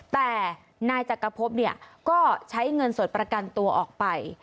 แต่นายจักรพบเนี่ยก็ใช้เงินสดประกันตัวออกไป